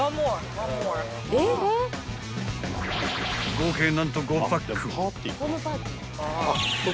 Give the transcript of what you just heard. ［合計何と５パック］